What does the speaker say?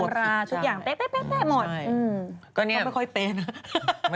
ตามตำราทุกอย่างแต๊ะหมด